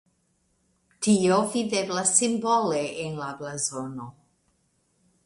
Tio videblas simbole en la blazono.